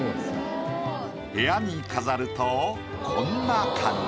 部屋に飾るとこんな感じ。